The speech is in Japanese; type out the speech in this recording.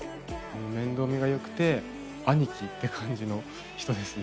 面倒見が良くて兄貴って感じの人ですね。